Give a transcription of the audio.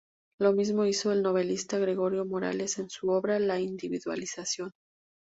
Lo mismo hizo el novelista Gregorio Morales en su obra "La individuación".